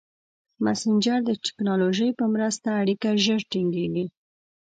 مسېنجر د ټکنالوژۍ په مرسته اړیکه ژر ټینګېږي.